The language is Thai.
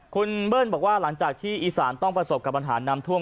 คุณเบิ้ลบอกว่าหลังจากที่อีสานต้องประสบกับปัญหาน้ำท่วม